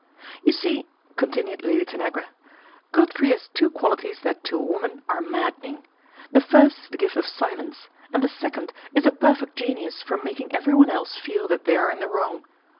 " You see," continued Lady Tanagra, " Godfrey has two qualities that to a woman are maddening. The first is the gift of silence, and the second is a perfect genius for making everyone else feel that 1 80 A TACTICAL BLUNDER 181 they are in the wrong.